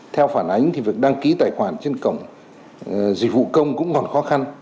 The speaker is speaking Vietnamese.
theo phản ánh thì việc đăng ký tài khoản trên cổng dịch vụ công cũng còn khó khăn